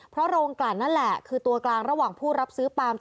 เพราะโรงกลั่นนั่นแหละคือตัวกลางระหว่างผู้รับซื้อปลาม